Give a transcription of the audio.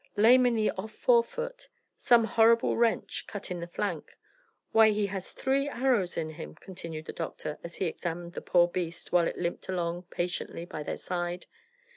"Lame in the off fore foot. Some horrible wrench; cut in the flank. Why, he has three arrows in him," continued the doctor, as he examined the poor beast while it limped along patiently by their side.